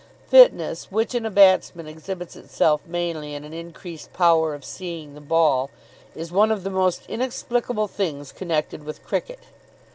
Fitness, which in a batsman exhibits itself mainly in an increased power of seeing the ball, is one of the most inexplicable things connected with cricket.